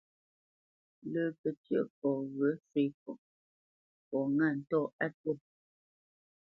Lə́ pəcə̂ʼfɔ ghyə̂ shwé fɔ, fɔ ŋâ ntɔ̂ á twâ.